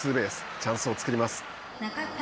チャンスを作ります。